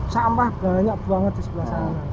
sampah banyak banget di sebelah sana